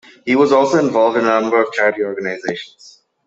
He was also involved in a number of charity organisations.